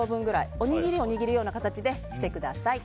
おにぎりを握るような形でしてください。